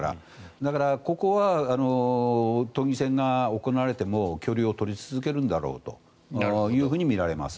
だから、ここは都議選が行われても距離を取り続けるんだろうとみられます。